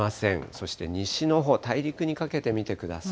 そして西のほう、大陸にかけて見てください。